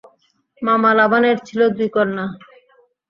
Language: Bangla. মামা লাবানের ছিল দুই কন্যা।